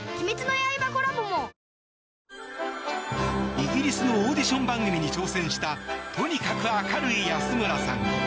イギリスのオーディション番組に挑戦したとにかく明るい安村さん。